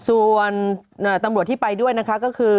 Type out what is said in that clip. ส่วนตำรวจที่ไปด้วยนะคะก็คือ